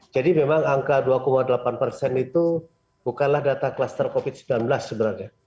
jadi memang angka dua delapan persen itu bukanlah data klaster covid sembilan belas sebenarnya